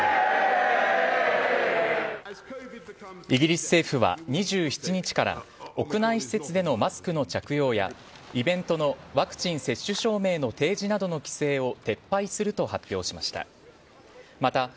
イギリス政府は２７日から屋内施設でのマスクの着用やイベントのワクチン接種証明の提示などの規制を撤廃すると発表しました。